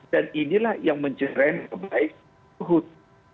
dan inilah yang mencerahkan kebaikan suhut